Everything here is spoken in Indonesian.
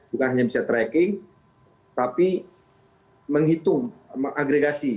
bukan hanya bisa tracking tapi menghitung mengagregasi